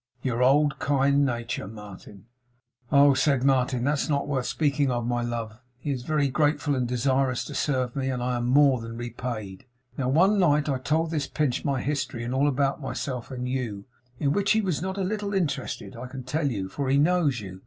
'Your old kind nature, Martin!' 'Oh!' said Martin, 'that's not worth speaking of, my love. He's very grateful and desirous to serve me; and I am more than repaid. Now one night I told this Pinch my history, and all about myself and you; in which he was not a little interested, I can tell you, for he knows you!